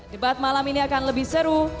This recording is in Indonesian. debat malam ini akan lebih seru